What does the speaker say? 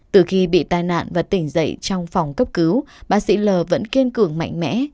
từ khi bị tai nạn và tỉnh dậy trong phòng cấp cứu bác sĩ l vẫn kiên cường mạnh mẽ